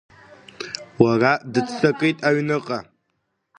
Лара дыццакит аҩныҟа.